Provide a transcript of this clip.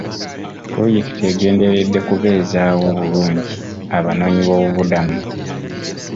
Pulojekiti egenderedde kubezaawo obulungi abanoonyi b'obubuddamu.